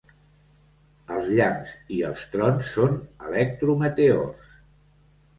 Els llamps i els trons són electrometeors.